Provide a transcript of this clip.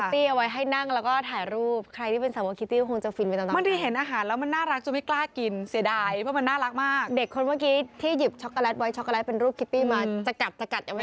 สีชมพูทั้งหมดนะครับนะครับ